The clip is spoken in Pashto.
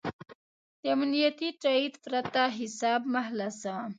د امنیتي تایید پرته حساب مه خلاصوه.